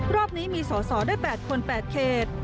รอบนี้มีสอสอได้๘คน๘เขต